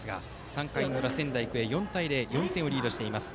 ３回の裏、仙台育英が４対０と４点リードしています。